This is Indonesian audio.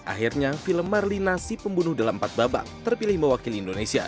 akhirnya film marlina si pembunuh dalam empat babak terpilih mewakili indonesia